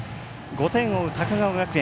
５点を追う高川学園。